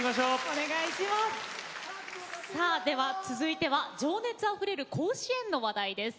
続いては情熱あふれる甲子園の話題です。